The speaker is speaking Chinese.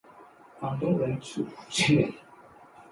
广东人吃福建人！